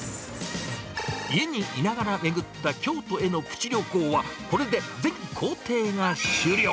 家にいながら巡った京都へのプチ旅行は、これで全行程が終了。